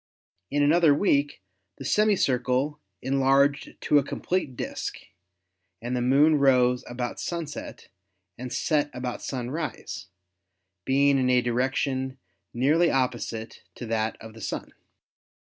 In another week the semi circle en larged to a complete disk and the Moon rose about sunset and set about sunrise, being in a direction nearly opposite to that of the Sun.